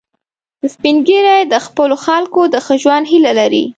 سپین ږیری د خپلو خلکو د ښه ژوند هیله لري